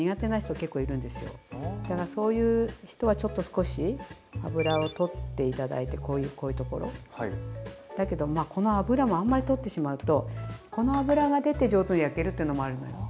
そういう人は少し脂を取って頂いてこういうところ。だけどこの脂もあんまり取ってしまうとこの脂が出て上手に焼けるっていうのもあるのよ。